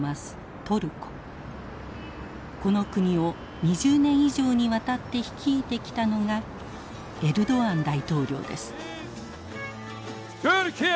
この国を２０年以上にわたって率いてきたのがエルドアン大統領です。